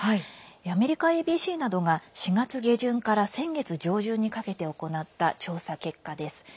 アメリカＡＢＣなどが４月下旬から先月上旬にかけて行った調査結果です。